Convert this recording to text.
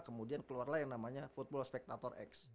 kemudian keluar lain namanya football spectator x